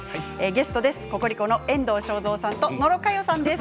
ゲスト、ココリコの遠藤章造さんと野呂佳代さんです。